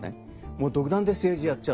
もう独断で政治やっちゃうと。